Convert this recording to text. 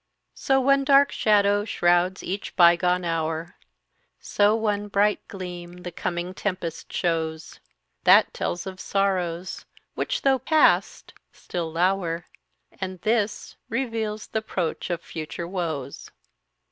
"So one dark shadow shrouds each bygone hour, So one bright gleam the coming tempest shows; _That _tells of sorrows, which, though past, still lower, And this reveals th' approach of future woes."